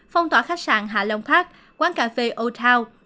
phong tỏa khách sạn hạ long park quán cà phê old town